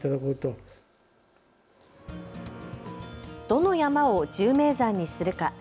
どの山を１０名山にするか。